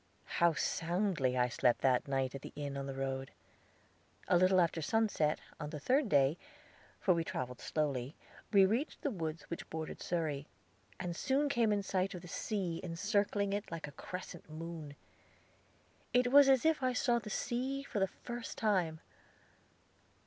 How soundly I slept that night at the inn on the road! A little after sunset, on the third day, for we traveled slowly, we reached the woods which bordered Surrey, and soon came in sight of the sea encircling it like a crescent moon. It was as if I saw the sea for the first time.